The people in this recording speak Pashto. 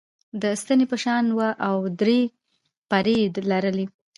د ستنې په شان وه او درې پرې یي لرلې.